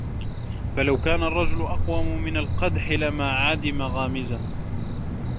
فَلَوْ كَانَ الرَّجُلُ أَقْوَمَ مِنْ الْقَدْحِ لَمَا عَدِمَ غَامِزًا